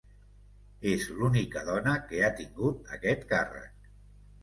És l'única dona que ha tingut aquest càrrec.